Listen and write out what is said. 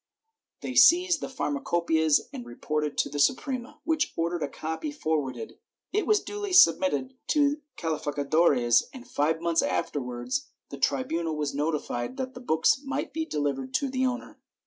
They seized the Pharma copceias and reported to the Suprema, which ordered a copy for warded. It was duly submitted to calificadores and five months afterwards the tribunal was notified that the books might be delivered to the owner